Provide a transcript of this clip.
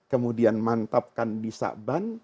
kemudian mantapkan di syakban